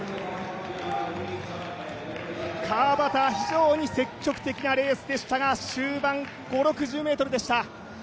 川端は非常に積極的なレースでしたが終盤、５０６０ｍでした。